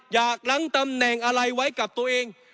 หลังตำแหน่งอะไรไว้กับตัวเอง